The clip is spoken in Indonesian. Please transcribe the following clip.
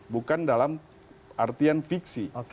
bukan dalam artian fiksi